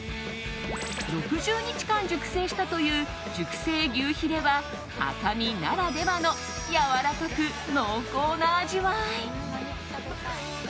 ６０日間熟成したという熟成牛ヒレは赤身ならではのやわらかく濃厚な味わい。